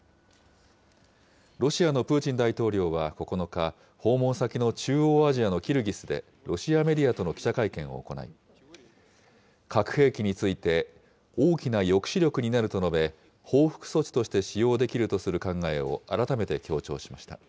ロシアのプーチン大統領は９日、訪問先の中央アジアのキルギスで、ロシアメディアとの記者会見を行い、核兵器について、大きな抑止力になると述べ、報復措置として使用できるとする考えを改めて強調しました。